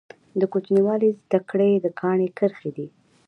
د کوچنیوالي زده کړي د کاڼي کرښي دي.